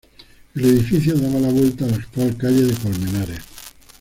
El edificio daba la vuelta a la actual calle de Colmenares.